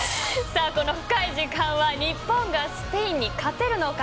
さあ、この深い時間は日本がスペインに勝てるのか。